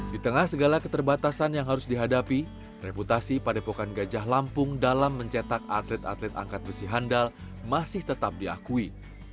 di tengah segala keterbatasan yang harus dihadapi reputasi padepokan gajah lampung dalam mencetak atlet atlet angkat besi handal masih tetap diakui